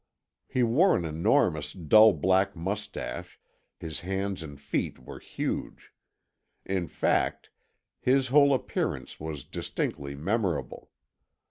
He wore an enormous dull black moustache, his hands and feet were huge; in fact, his whole appearance was distinctly memorable.